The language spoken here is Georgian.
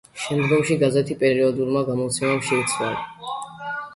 შემდგომში გაზეთი პერიოდულმა გამოცემამ შეცვალა.